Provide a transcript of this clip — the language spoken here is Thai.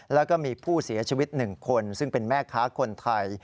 แล้วก็มีผู้เสียชีวิต๑คนซึ่งเป็นแม่ค้าคนไทย